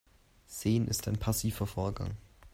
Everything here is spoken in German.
Sehen ist ein passiver Vorgang.